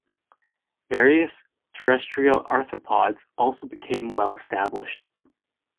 Various terrestrial arthropods also became well-established.